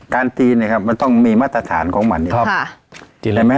การตีเนี้ยครับมันต้องมีมาตรฐานของมันเนี้ยครับค่ะใช่ไหม